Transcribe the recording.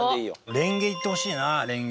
レンゲいってほしいなレンゲ。